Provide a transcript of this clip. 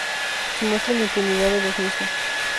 Se muestra la impunidad de los mismos.